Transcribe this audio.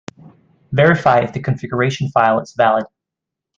Verify if the configuration file is valid.